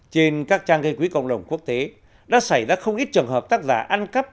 trên các trang gây quỹ cộng đồng quốc tế đã xảy ra không ít trường hợp tác giả ăn cắp